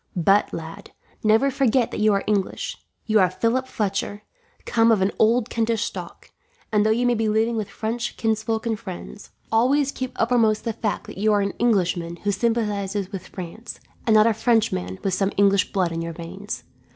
But, lad, never forget that you are English. You are Philip Fletcher, come of an old Kentish stock; and though you may be living with French kinsfolk and friends, always keep uppermost the fact that you are an Englishman who sympathizes with France, and not a Frenchman with some English blood in your veins.